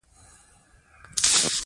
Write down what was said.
هغه کولی شي کور جوړ کړي.